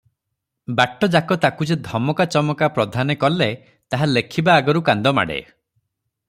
ବାଟଯାକ ତାକୁ ଯେ ଧମକା ଚମକା ପ୍ରଧାନେ କଲେ ତାହା ଲେଖିବା ଆଗରୁ କାନ୍ଦମାଡ଼େ ।